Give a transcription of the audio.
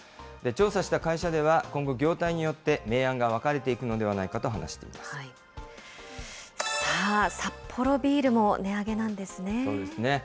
調査した会社では、今後、業態によって明暗が分かれていくのではさあ、サッポロビールも値上そうですね。